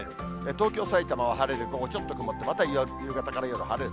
東京、さいたまは晴れで午後ちょっと曇って、また夕方から夜晴れる。